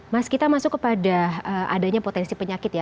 mas kita masuk kepada adanya potensi penyakit ya